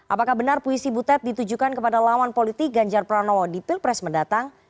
apakah benar puisi butet ditujukan kepada lawan politik ganjar pranowo di pilpres mendatang